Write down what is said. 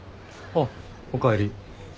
あっおかえり。